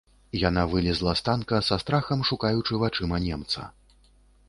Яна вылезла з танка, са страхам шукаючы вачыма немца.